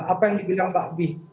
apa yang dibilang mbak bih